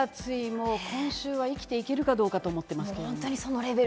もう今週は生きていけるかどうかと思っていますけども。